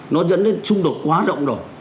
nó dẫn đến xung đột quá rộng rồi